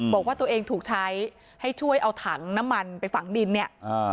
บอกว่าตัวเองถูกใช้ให้ช่วยเอาถังน้ำมันไปฝังดินเนี่ย